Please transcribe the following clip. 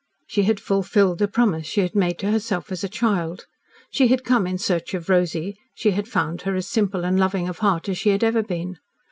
She had fulfilled the promise she had made to herself as a child. She had come in search of Rosy, she had found her as simple and loving of heart as she had ever been.